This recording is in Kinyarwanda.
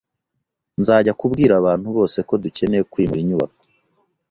Nzajya kubwira abantu bose ko dukeneye kwimura inyubako.